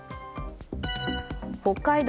北海道